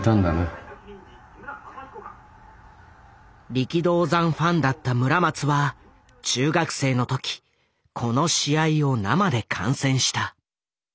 力道山ファンだった村松は中学生の時この試合を生で観戦した。